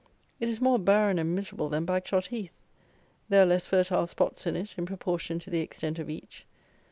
It is more barren and miserable than Bagshot heath. There are less fertile spots in it, in proportion to the extent of each.